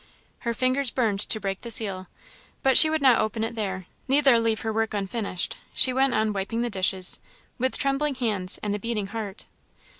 Her fingers burned to break the seal; but she would not open it there, neither leave her work unfinished; she went on wiping the dishes, with trembling hands and a beating heart.